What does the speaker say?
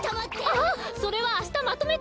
あっそれはあしたまとめて。